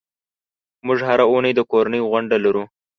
موږ هره اونۍ د کورنۍ غونډه لرو.